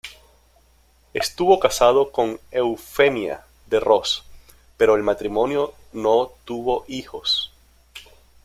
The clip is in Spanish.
Estuvo casado con Eufemia de Ross, pero el matrimonio no tuvo hijos.